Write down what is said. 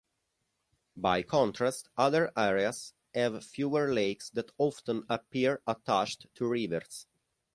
By contrast, other areas have fewer lakes that often appear attached to rivers.